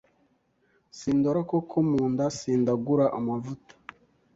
Sindora inkoko mu nda Sindagura amavuta